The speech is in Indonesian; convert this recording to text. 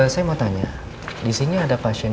saya mau tanya di sini ada pasien